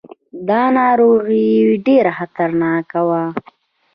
دا ناروغي ډېره خطرناکه وه.